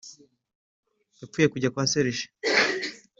yapfuye kujya kwa serije